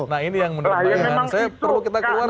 nah ini yang menurut saya perlu kita keluarkan